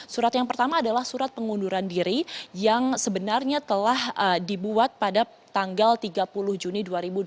surat yang pertama adalah surat pengunduran diri yang sebenarnya telah dibuat pada tanggal tiga puluh juni dua ribu dua puluh